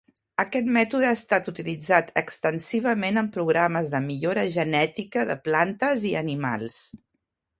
Aquest mètode ha estat utilitzat extensivament en programes de millora genètica de plantes i animals.